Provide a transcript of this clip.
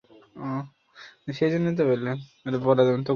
তবে যথোপযুক্ত আইনি পদ্ধতিতে বিদেশ থেকে তাঁকে ফিরিয়ে আনার চেষ্টা করা হবে।